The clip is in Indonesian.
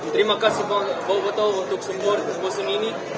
terima kasih boveto untuk semua musim ini